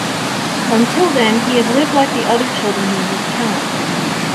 Until then, he had lived like the other children in his town.